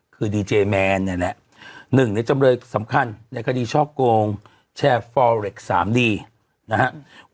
คือเนี้ยแหละหนึ่งในจำเร็จสำคัญในคดีชอบโกงแชร์สามดีนะฮะ